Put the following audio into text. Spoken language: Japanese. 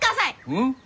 うん？